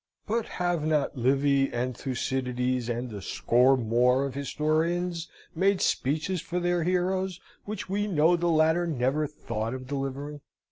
But have not Livy, and Thucydides, and a score more of historians, made speeches for their heroes, which we know the latter never thought of delivering?